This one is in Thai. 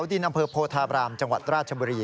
ดินอำเภอโพธาบรามจังหวัดราชบุรี